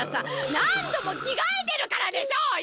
なんどもきがえてるからでしょうよ！